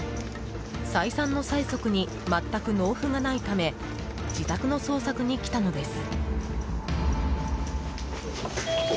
再三の催促に全く納付がないため自宅の捜索に来たのです。